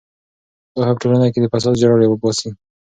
پوهه په ټولنه کې د فساد جرړې وباسي.